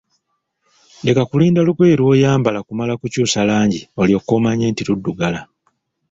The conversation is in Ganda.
Leka kulinda lugoye lw'oyambala kumala kukyusa langi olyoke omanye nti luddugala.